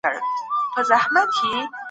ايا موږ په مفاهيمو پوهيږو؟